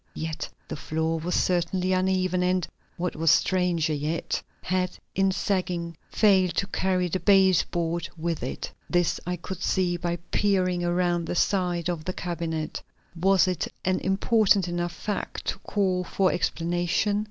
Yet the floor was certainly uneven, and, what was stranger yet, had, in sagging, failed to carry the base board with it. This I could see by peering around the side of the cabinet. Was it an important enough fact to call for explanation?